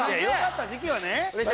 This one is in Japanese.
良かった時期はね。